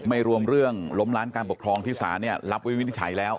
ไม่รวมเรื่องล้มล้านการปกครองที่ศาลเนี่ยรับไว้วินิจฉัยแล้ว